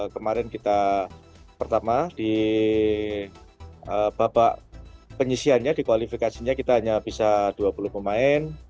kemarin kita pertama di babak penyisiannya di kualifikasinya kita hanya bisa dua puluh pemain